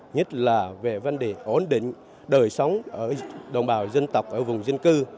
nhất là về vấn đề ổn định đời sống ở đồng bào dân tộc ở vùng dân cư